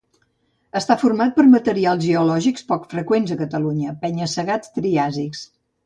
Està format per materials geològics poc freqüents a Catalunya: penya-segats triàsics.